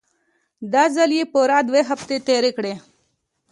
دا ځل يې پوره دوې هفتې تېرې کړې.